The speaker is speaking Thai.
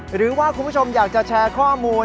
หรือว่าคุณผู้ชมอยากจะแชร์ข้อมูล